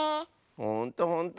ほんとほんと！